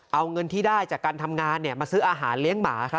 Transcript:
เอาเงินที่ได้จากการทำงานมาซื้ออาหารเลี้ยงหมาครับ